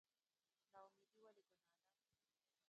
نااميدي ولې ګناه ده؟